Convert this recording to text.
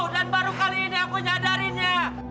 dan baru kali ini aku nyadarinya